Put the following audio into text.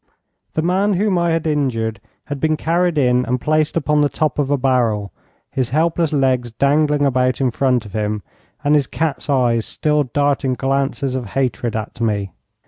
The man whom I had injured had been carried in and placed upon the top of a barrel, his helpless legs dangling about in front of him, and his cat's eyes still darting glances of hatred at me.